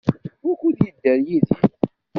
Wukud yedder Yidir?